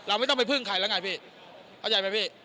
ไม่ต้องไปพึ่งใครแล้วไงพี่เข้าใจไหมพี่